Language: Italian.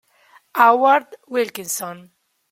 Howard Wilkinson